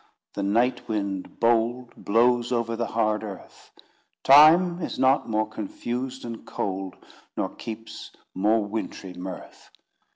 The night wind bold Blows over the hard earth; Time is not more confused and cold, Nor keeps more wintry mirth.